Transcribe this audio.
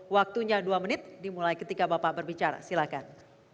waktunya dua menit dimulai ketika bapak berbicara silahkan